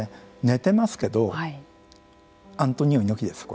寝てますけどアントニオ猪木です